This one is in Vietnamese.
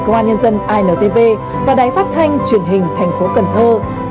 công an nhân dân intv và đài phát thanh truyền hình thành phố cần thơ